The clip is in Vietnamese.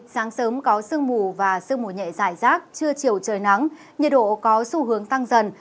sáng sớm có sương mù và sương mù nhẹ dài rác trưa chiều trời nắng nhiệt độ có xu hướng tăng dần